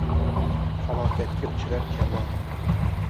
Falokatga uchrab karvon